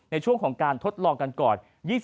ในช่วงของการทดลองกันก่อน